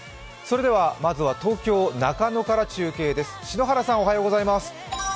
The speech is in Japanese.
まずは東京・中野から中継です。